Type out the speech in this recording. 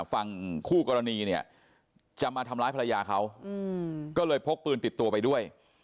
ฝั่งคู่กรณีเนี่ยจะมาทำร้ายภรรยาเขาก็เลยพกปืนติดตัวไปด้วย